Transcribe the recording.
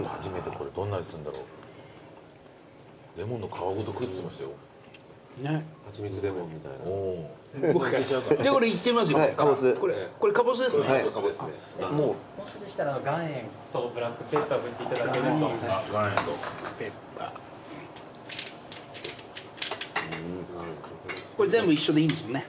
これ全部一緒でいいんですもんね。